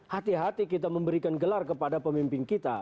hati hati kita memberikan gelar kepada pemimpin kita